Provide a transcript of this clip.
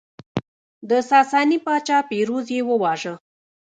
د ساساني پاچا پیروز یې وواژه